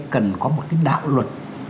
cần có một cái đạo luật